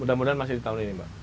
mudah mudahan masih di tahun ini mbak